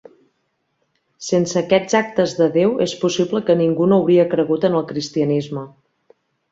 Sense aquests actes de Déu, és possible que ningú no hauria cregut en el cristianisme.